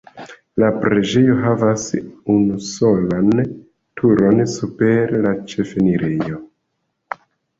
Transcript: La preĝejo havas unusolan turon super la ĉefenirejo.